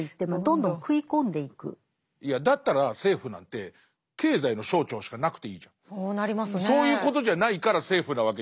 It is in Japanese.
いやだったら政府なんてそういうことじゃないから政府なわけじゃないですか。